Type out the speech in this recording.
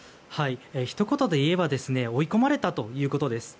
ひと言で言えば追い込まれたということです。